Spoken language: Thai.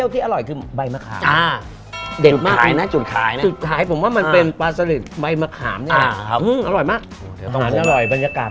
ทำ